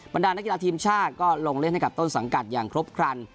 ดานักกีฬาทีมชาติก็ลงเล่นให้กับต้นสังกัดอย่างครบครัน